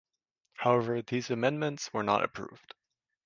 However, these amendments were not approved.